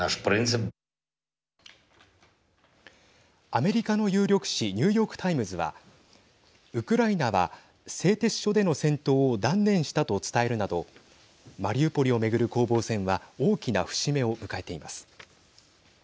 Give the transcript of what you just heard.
アメリカの有力紙ニューヨーク・タイムズはウクライナは製鉄所での戦闘を断念したと伝えるなどマリウポリをめぐる攻防戦は大きな節目を迎えています。